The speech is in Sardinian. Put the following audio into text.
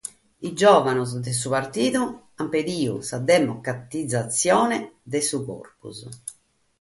Sos giòvanos de su partidu ant pedidu sa democratizatzione de su corpus.